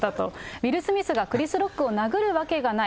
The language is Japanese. ウィル・スミスがクリス・ロックを殴るわけがない。